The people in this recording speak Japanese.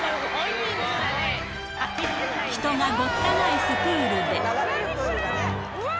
人がごった返すプールで。